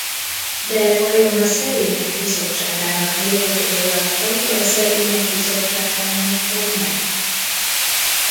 De vajon a Szerények Bizottságának névadója tagja a Szerények Bizottságának vagy nem?